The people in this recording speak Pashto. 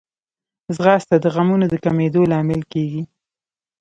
ځغاسته د غمونو د کمېدو لامل کېږي